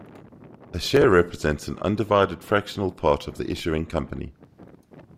A share represents an undivided fractional part of the issuing company.